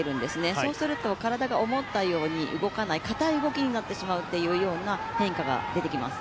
そうすると体が思ったように動かない、硬い動きになってしまうという変化が出てきます。